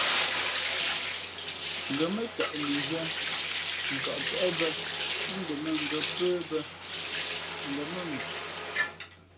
Ngα̌ mά tαʼ mʉnzhwīē n kαʼ pə̄ bᾱ ń ndα bᾱ mα ngα̌ pə̄ bᾱ ngα̌ mά mʉ.